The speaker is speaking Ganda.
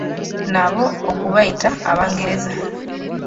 Nabo okubayita Abangereza.